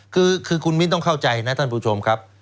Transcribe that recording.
คือคุณมิ้นต้องเข้าใจนะท่านผู้ชมครับ